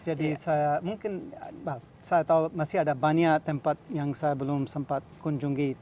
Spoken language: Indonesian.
jadi mungkin saya tahu masih ada banyak tempat yang saya belum sempat kunjungi